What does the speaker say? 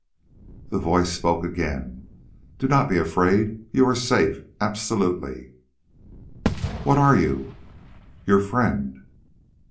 The voice spoke again: "Do not be afraid. You are safe, absolutely." "What are you?" "Your friend."